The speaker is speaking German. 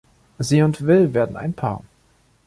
Sie und Will werden ein Paar.